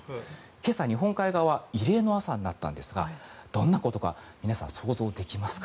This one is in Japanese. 今朝、日本海側は異例の朝になったんですがどんなことか皆さん、想像できますか？